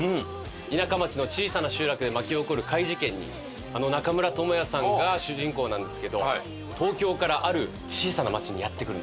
田舎町の小さな集落で巻き起こる怪事件にあの中村倫也さんが主人公なんですけど東京からある小さな町にやって来るんです。